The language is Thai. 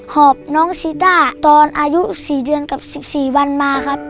อบน้องซีต้าตอนอายุ๔เดือนกับ๑๔วันมาครับ